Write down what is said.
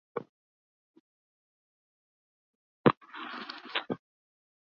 সেখানে তিনি সাধারণ আপেক্ষিকতার উপর বক্তৃতা দিয়েছিলেন।